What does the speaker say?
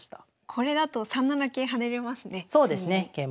これだと３七桂跳ねれますね次に。